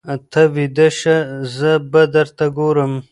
ته ویده شه زه به درته ګورم.